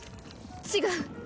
違う。